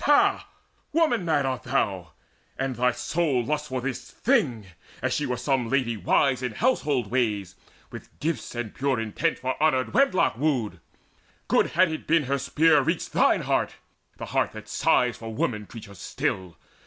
Ha, woman mad art thou, And thy soul lusts for this thing, as she were Some lady wise in household ways, with gifts And pure intent for honoured wedlock wooed! Good had it been had her spear reached thine heart, The heart that sighs for woman creatures still!